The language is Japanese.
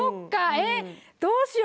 えっどうしよう。